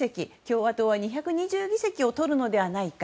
共和党は２２０議席をとるのではないか。